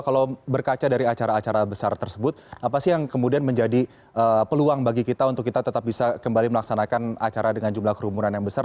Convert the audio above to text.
kalau berkaca dari acara acara besar tersebut apa sih yang kemudian menjadi peluang bagi kita untuk kita tetap bisa kembali melaksanakan acara dengan jumlah kerumunan yang besar